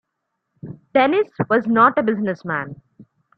Dennis was not a business man.